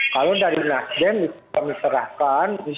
kalau dari nasdem itu kami serahkan